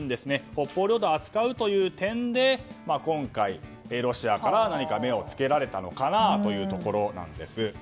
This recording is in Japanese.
北方領土を扱うという点で今回、ロシアから目をつけられたのかなというところなんです。